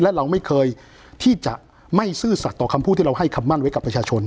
และเราไม่เคยที่จะไม่ซื่อสัตว์ต่อคำพูดที่เราให้คำมั่นไว้กับประชาชน